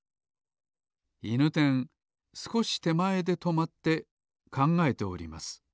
いぬてんすこしてまえでとまってかんがえております